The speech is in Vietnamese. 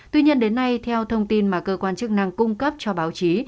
tuy nhiên đến nay theo thông tin mà cơ quan chức năng cung cấp cho báo chí